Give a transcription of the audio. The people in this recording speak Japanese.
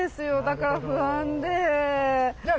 だから不安で。